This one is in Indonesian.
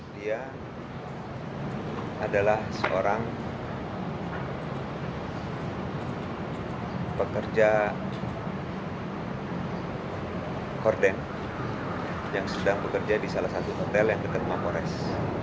dia adalah seorang pekerja korden yang sedang bekerja di salah satu hotel yang dekat mapores